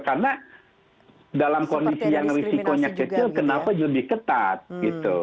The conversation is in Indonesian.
karena dalam kondisi yang risikonya kecil kenapa lebih ketat gitu